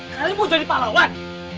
kalian mau jadi pahlawan